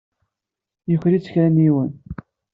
Yuker-iyi-t kra n yiwen.